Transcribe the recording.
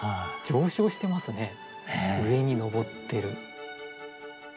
上昇してますね上に昇ってる。